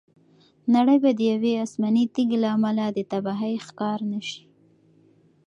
نړۍ به د یوې آسماني تیږې له امله د تباهۍ ښکار نه شي.